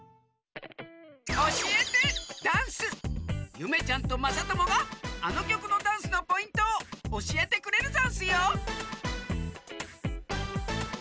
ゆめちゃんとまさともがあのきょくのダンスのポイントをおしえてくれるざんすよ